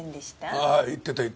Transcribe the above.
ああ言ってた言ってた。